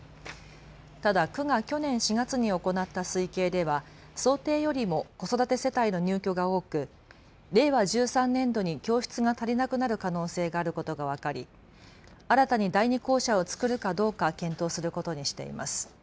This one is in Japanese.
ただ区が去年４月に行った推計では想定よりも子育て世帯の入居が多く令和１３年度に教室が足りなくなる可能性があることが分かり新たに第二校舎をつくるかどうか検討することにしています。